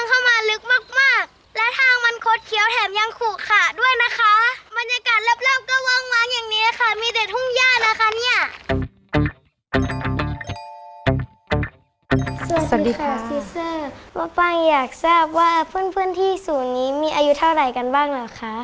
สวัสดีค่ะซีซ่าป้าอยากทราบว่าเพื่อนศูนย์นี้มีอายุเท่าไหร่กันบ้างเหรอคะ